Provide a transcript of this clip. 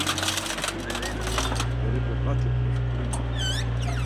Berepe vati oşkurina.